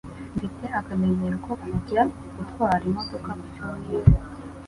Mfite akamenyero ko kujya gutwara imodoka ku cyumweru.